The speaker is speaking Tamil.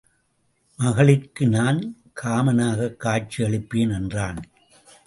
மகளிர்க்கு நான் காமனாகக் காட்சி அளிப்பேன் என்றான்.